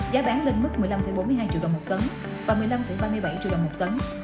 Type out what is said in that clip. giá bán lên mức một mươi năm bốn mươi hai triệu đồng một tấn và một mươi năm ba mươi bảy triệu đồng một tấn